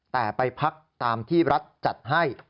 แต่ไปพักตามที่รัฐจัดให้